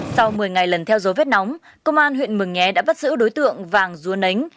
sau một mươi ngày lần theo dấu vết nóng công an huyện mường nghé đã bắt giữ đối tượng vàng dua nánh